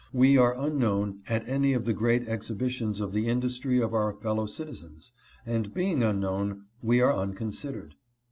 We are unknown at any of the great exhibitions of the industry of our fellow citizens, and being unknown, we are unconsidered.